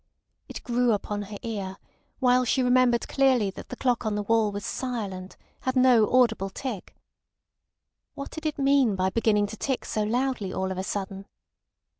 It grew upon her ear, while she remembered clearly that the clock on the wall was silent, had no audible tick. What did it mean by beginning to tick so loudly all of a sudden?